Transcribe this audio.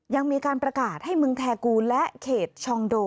ยังมีการประกาศให้เมืองแทกูและเขตชองโด